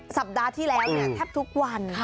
สัปดาห์ที่แล้วแทบทุกวัน